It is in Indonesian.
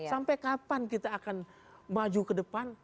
sampai kapan kita akan maju ke depan